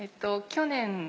去年？